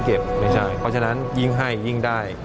เพราะฉะนั้นยิ่งให้ยิ่งได้